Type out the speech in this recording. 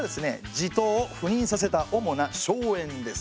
地頭を赴任させた主な荘園です。